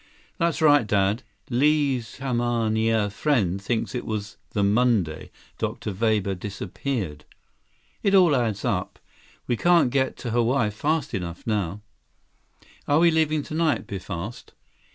84 "That's right, Dad. Li's kamaaina friend thinks it was the Monday Dr. Weber disappeared." "It all adds up. We can't get to Hawaii fast enough now." "Are we leaving tonight?" Biff asked.